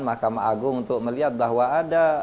mahkamah agung untuk melihat bahwa ada